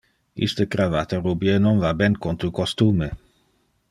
Iste cravata rubie non va ben con tu costume.